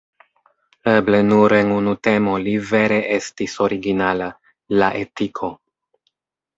Eble nur en unu temo li vere estis originala: la etiko.